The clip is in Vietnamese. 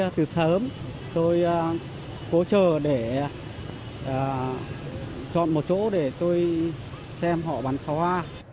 lên đây từ sớm tôi cố chờ để chọn một chỗ để tôi xem họ bắn pháo hoa